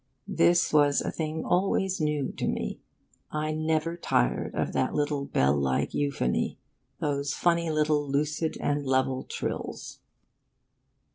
This was a thing always new to me. I never tired of that little bell like euphony; those funny little lucid and level trills.